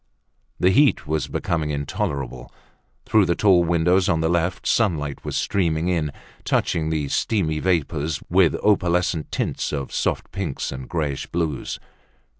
The heat was becoming intolerable. Through the tall windows on the left sunlight was streaming in, touching the steamy vapors with opalescent tints of soft pinks and grayish blues.